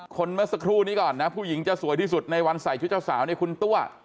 เมื่อสักครู่นี้ก่อนนะผู้หญิงจะสวยที่สุดในวันใส่ชุดเจ้าสาวเนี่ยคุณตัว